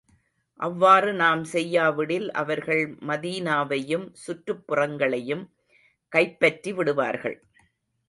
அவ்வாறு நாம் செய்யா விடில், அவர்கள் மதீனாவையும், சுற்றுப்புறங்களையும் கைப்பற்றி விடுவார்கள்.